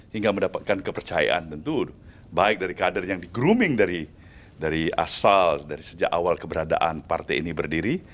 hingga mendapatkan kepercayaan tentu baik dari kader yang di grooming dari asal dari sejak awal keberadaan partai ini berdiri